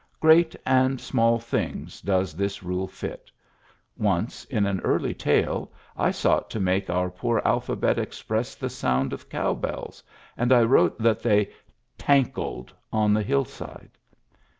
Great and small things does this rule fit Once in an early tale I sought to make our poor alphabet express the sound of cow bells, and I wrote that they tankled on the hillside.